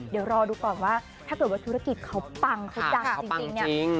เดี๋ยวรอดูก่อนว่าถ้าเกิดว่าธุรกิจเขาปังเขาดังจริงเนี่ย